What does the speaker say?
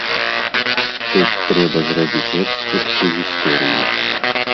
Тут трэба зрабіць экскурс у гісторыю.